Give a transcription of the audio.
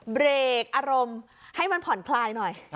เบรกอารมณ์ให้มันผ่อนคลายหน่อย